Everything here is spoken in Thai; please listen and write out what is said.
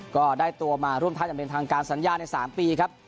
ก็ได้ตัวมาร่วมท่าอย่างเป็นทางการสัญญาใน๓ปีครับ